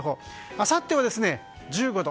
あさっては１５度。